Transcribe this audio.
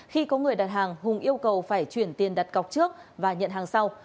khi có người đặt hàng hùng yêu cầu phải chuyển tiền đặt cọc trước và nhận hàng sau